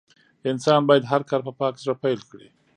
انسان بايد هر کار په پاک زړه پيل کړي.